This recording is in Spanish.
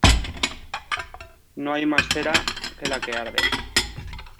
No hay más cera que la que arde